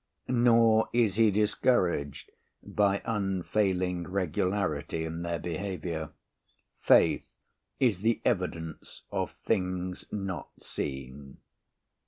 Nor is he discouraged by unfailing regularity in their behaviour. Faith is "the evidence of things not seen."